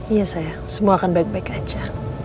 iya saya semua akan baik baik aja